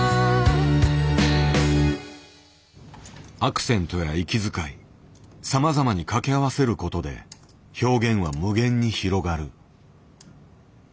アクセントや息遣いさまざまに掛け合わせることで表現は無限に広がる。